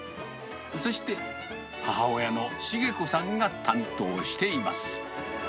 そして母親のシゲ子さんが担当しています。